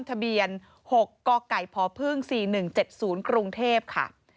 ทะเบียน๖กไก่พพ๔๑๗๐กรุงเทพค่ะ